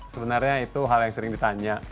sebenarnya itu hal yang sering ditanya